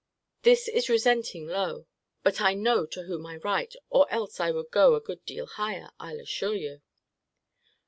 This is resenting low: but I know to whom I write, or else I would go a good deal higher, [I'll assure you.